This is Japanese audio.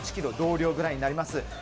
１ｋｇ同量ぐらいになります。